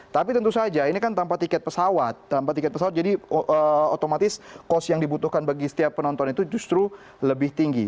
tapi tentu saja ini kan tanpa tiket pesawat tanpa tiket pesawat jadi otomatis cost yang dibutuhkan bagi setiap penonton itu justru lebih tinggi